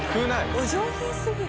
お上品すぎる。